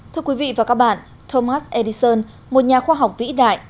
thưa quý vị và các bạn thomas edison một nhà khoa học vĩ đại